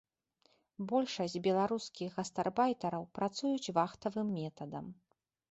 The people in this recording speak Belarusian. Большасць беларускіх гастарбайтараў працуюць вахтавым метадам.